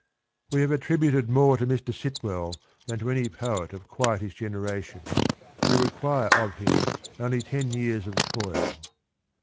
We have attributed more to Mr. Sitwell than to any poet of quite his generation. We require of him only ten years of toil.